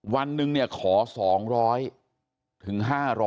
วันหนึ่งขอ๒๐๐ถึง๕๐๐